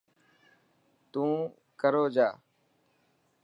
تون ڪرو جا.